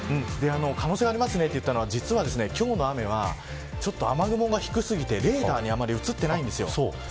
可能性がありますねと言ったのは、今日の雨は雨雲が低すぎてレーダーにあまり映ってないんですよ。